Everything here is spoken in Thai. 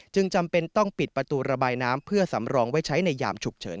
จำเป็นต้องปิดประตูระบายน้ำเพื่อสำรองไว้ใช้ในยามฉุกเฉิน